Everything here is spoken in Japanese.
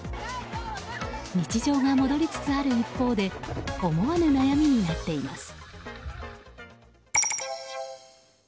日常が戻りつつある一方で思わぬ悩みになっています。